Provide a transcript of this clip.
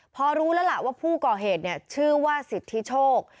พอรู้แล้วล่ะว่าผู้ก่อเหตุชื่อว่าสิทธิโชค